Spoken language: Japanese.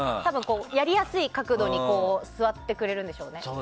やりやすい角度に座ってくれるんでしょうね。